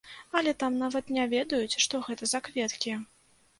Але там нават не ведаюць, што гэта за кветкі.